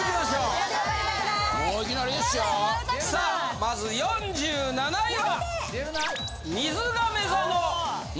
まず４７位は。